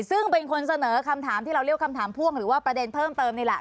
ซึ่งเป็นคนเสนอคำถามที่เราเรียกคำถามพ่วงหรือว่าประเด็นเพิ่มเติมนี่แหละ